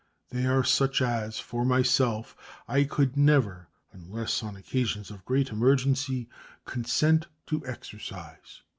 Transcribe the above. They are such as, for myself, I could never, unless on occasions of great emergency, consent to exercise.